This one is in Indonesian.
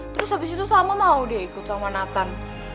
terus abis itu salma mau dia ikut sama nathan